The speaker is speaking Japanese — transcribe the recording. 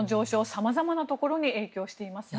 様々なところに影響していますね。